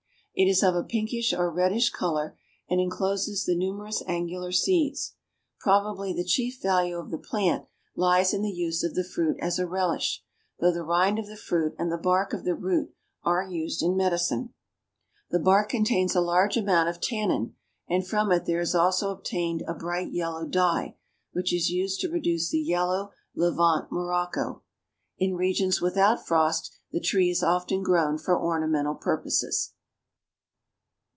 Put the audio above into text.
It is of a pinkish or reddish color, and encloses the numerous angular seeds. Probably the chief value of the plant lies in the use of the fruit as a relish, though the rind of the fruit and the bark of the root are used in medicine. The bark contains a large amount of tannin and from it there is also obtained a bright yellow dye, which is used to produce the yellow Levant Morocco. In regions without frost the tree is often grown for ornamental purposes.